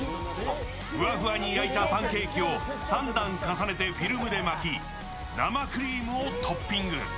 ふわふわに焼いたパンケーキを３段重ねてフィルムで巻き生クリームをトッピング。